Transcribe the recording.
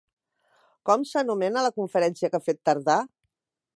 Com s'anomena la conferència que ha fet Tardà?